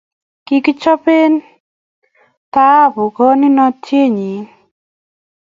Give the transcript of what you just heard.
Kikichope tahabu konunotyet nyi.